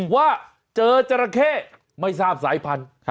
ว่าเจอจราเข้ไม่ทราบสายพันธุ์